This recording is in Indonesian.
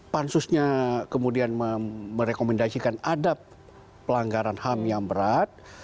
pansusnya kemudian merekomendasikan ada pelanggaran ham yang berat